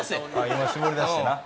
今絞り出してな。